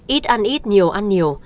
ít ăn ít nhiều ăn nhiều